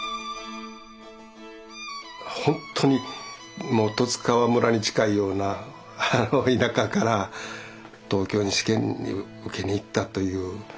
本当に十津川村に近いような田舎から東京に試験に受けに行ったという。